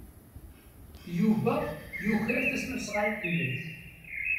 Yuba yuker-ak tasnasɣalt-nnek.